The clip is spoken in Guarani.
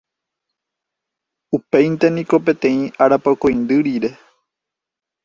Upéinte niko peteĩ arapokõindy rire